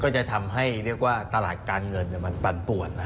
ก็จะทำให้เรียกว่าตลาดการเงินปันผวดนะ